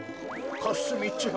かすみちゃん？